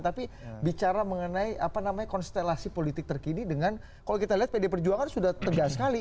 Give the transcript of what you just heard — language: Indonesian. tapi bicara mengenai apa namanya konstelasi politik terkini dengan kalau kita lihat pd perjuangan sudah tegas sekali